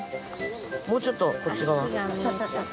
もうちょっとこっち側。